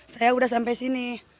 saya udah sampai sini